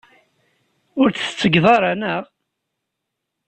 Ur t-tettgeḍ ara, naɣ?